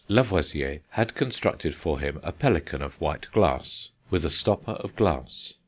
Lavoisier had constructed for him a pelican of white glass (see Fig. XI., p. 88), with a stopper of glass.